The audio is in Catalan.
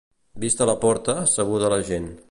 Vista la porta, sabuda la gent.